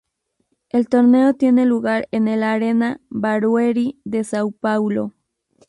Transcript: El torneo tiene lugar en el Arena Barueri de São Paulo.